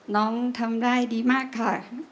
น้องทำได้ดีมากค่ะ